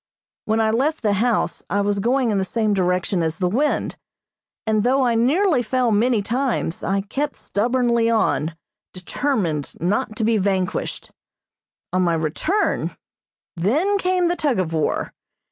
When I left the house, I was going in the same direction as the wind, and though I nearly fell many times I kept stubbornly on, determined not to be vanquished. On my return then came the "tug of war."